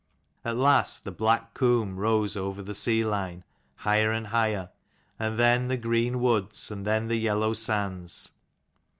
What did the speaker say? At last the Black Comb rose over the sea line higher and higher, and then the green woods, and then the yellow sands.